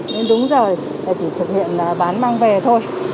nên đúng giờ là chỉ thực hiện bán mang về thôi